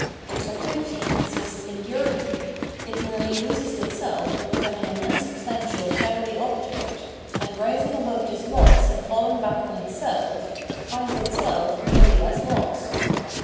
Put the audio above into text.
Its activity consists in yearning ; it merely loses itself in becoming an unsubstantial shadowy object, and, rising above this loss and falling back on itself, finds itself merely as lost.